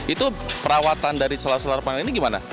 itu perawatan dari solar solar panel ini gimana